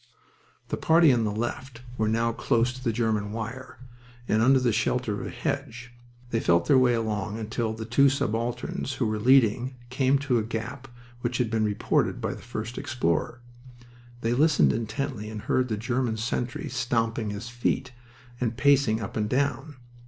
The party on the left were now close to the German wire and under the shelter of a hedge. They felt their way along until the two subalterns who were leading came to the gap which had been reported by the first explorer. They listened intently and heard the German sentry stamping his feet and pacing up and down.